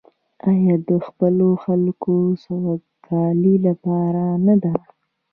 آیا او د خپلو خلکو د سوکالۍ لپاره نه ده؟